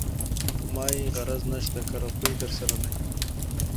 په ما يې غرض نشته که روپۍ درسره نه وي.